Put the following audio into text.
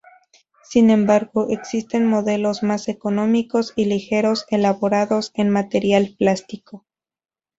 Sin embargo, existen modelos más económicos y ligeros elaborados en material plástico.